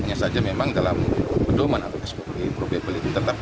hanya saja memang dalam pedoman atau kategori probable itu tetap harus diterapkan